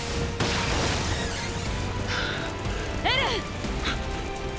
エレン！